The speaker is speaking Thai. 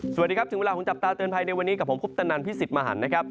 สวัสดีครับถึงเวลาของจับตาเตือนภัยในวันนี้กับผมคุปตนันพิสิทธิ์มหันนะครับ